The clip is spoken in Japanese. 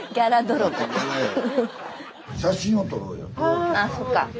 あそっか。